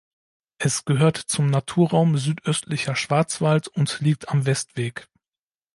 Es gehört zum Naturraum Südöstlicher Schwarzwald und liegt am Westweg.